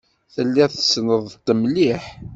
Telliḍ tessneḍ-t mliḥ?